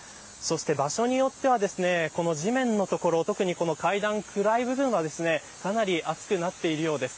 そして、場所によっては地面の所特に階段の暗い部分はかなり熱くなっているようです。